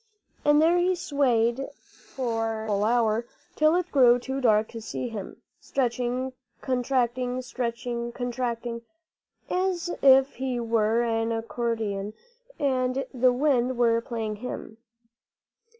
And there he swayed for a full hour, till it grew too dark to see him, stretching, contracting, stretching, contracting, as if he were an accordion and the wind were playing him.